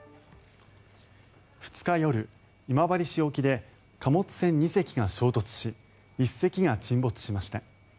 ２日夜、今治市沖で貨物船２隻が衝突し１隻が沈没しました。